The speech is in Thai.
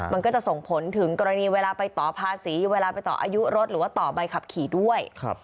มันก็จะส่งผลถึงกรณีเวลาไปต่อภาษีเวลาไปต่ออายุรถหรือว่าต่อใบขับขี่ด้วย